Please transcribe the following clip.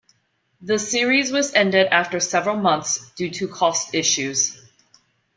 The series was ended after several months due to cost issues.